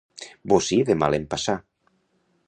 Bocí de mal empassar.